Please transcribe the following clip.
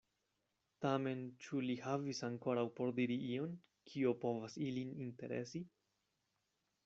Tamen ĉu li havis ankoraŭ por diri ion, kio povas ilin interesi?